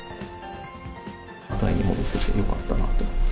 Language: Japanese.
タイに戻せてよかったなと思います。